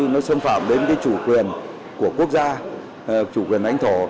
nó xâm phạm đến cái chủ quyền của quốc gia chủ quyền ảnh thổ